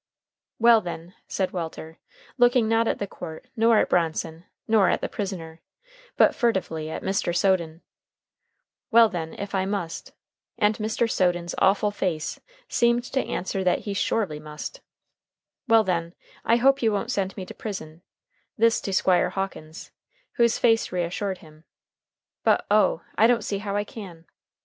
"Well, then," said Walter, looking not at the court nor at Bronson nor at the prisoner, but furtively at Mr. Soden "well, then, if I must" and Mr. Soden's awful face seemed to answer that he surely must "well, then, I hope you won't send me to prison" this to Squire Hawkins, whose face reassured him "but, oh! I don't see how I can!"